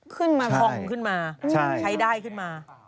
ผ่องขึ้นมาใช้ได้ขึ้นมา